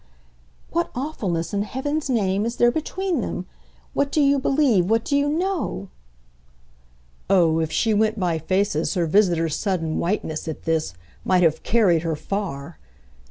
"What awfulness, in heaven's name, is there between them? What do you believe, what do you KNOW?" Oh, if she went by faces her visitor's sudden whiteness, at this, might have carried her far!